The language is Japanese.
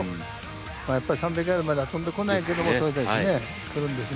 やっぱり３００ヤードまでは飛んでこないけどもそうですね来るんですね。